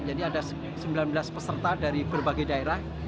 jadi ada sembilan belas peserta dari berbagai daerah